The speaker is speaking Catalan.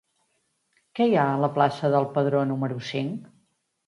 Què hi ha a la plaça del Pedró número cinc?